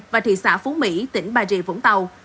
và thị xã phú mỹ tỉnh bà rịa vũng tàu